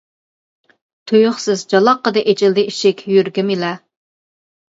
تۇيۇقسىز جالاققىدە ئېچىلدى ئىشىك يۈرىكىم ئىلە.